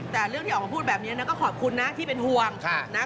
แต่เรื่องที่ออกมาพูดแบบนี้นะก็ขอบคุณนะที่เป็นห่วงนะ